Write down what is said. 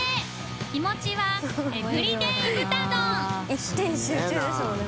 一点集中ですもんね